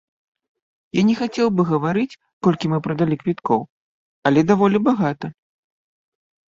Я не хацеў бы гаварыць колькі мы прадалі квіткоў, але даволі багата.